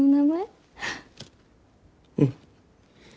うん。